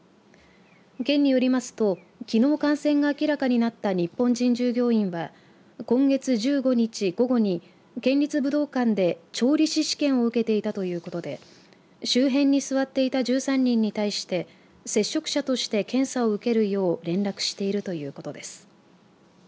県によりますときのう感染が明らかになった日本人従業員は、今月１５日午後に、県立武道館で調理師試験を受けていたということで周辺に座っていた１３人に対して接触者として検査を受けるよう連絡しているということです。